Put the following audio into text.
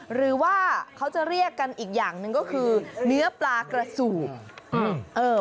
หรือว่าเขาจะเรียกกันอีกอย่างหนึ่งก็คือเนื้อปลากระสูบอืมเออ